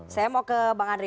saya mau ke bang andri